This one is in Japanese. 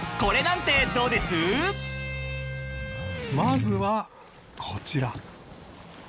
［まずはこちら］